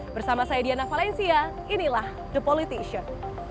bersama saya diana valencia inilah the politician